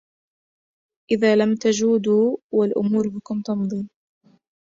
إذا لم تجودوا والأمور بكم تمضي